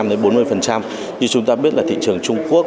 như chúng ta biết là thị trường trung quốc